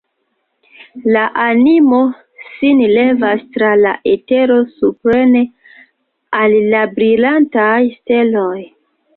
La animo sin levas tra la etero supren, al la brilantaj steloj!